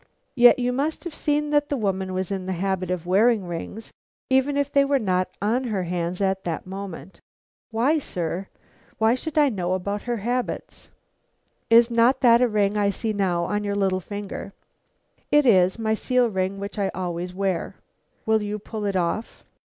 "Yet you must have seen that the woman was in the habit of wearing rings, even if they were not on her hands at that moment?" "Why, sir? What should I know about her habits?" "Is not that a ring I see now on your little finger?" "It is; my seal ring which I always wear." "Will you pull it off?"